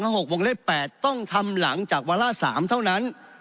๒หรือ๖หรือ๘ต้องทำหลังจากวาระ๓เท่านั้น